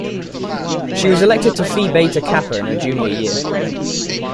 She was elected to Phi Beta Kappa in her junior year.